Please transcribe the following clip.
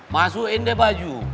masukin deh baju